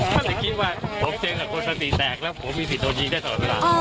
ท่านจะคิดว่าผมเต่งกดสติแตกแล้วผมมีสิทธิ์โดยยิงได้ส่วนผลา